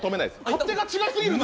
勝手が違いすぎるな。